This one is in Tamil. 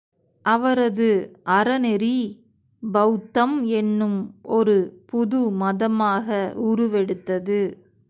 அவரது அறநெறி பெளத்தம் என்னும் ஒரு புது மதமாக உருவெடுத்தது.